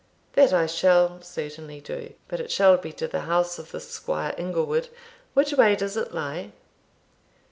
"That I shall certainly do; but it shall be to the house of this Squire Inglewood Which way does it lie?"